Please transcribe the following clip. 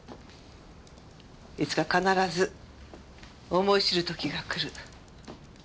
いつか必ず思い知る時が来る。